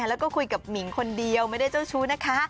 แล้วก็คุยกับหมิงคนเดียวไม่ได้เจ้าชู้นะคะ